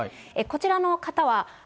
こちらの方は。